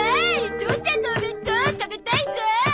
父ちゃんのお弁当食べたいゾ。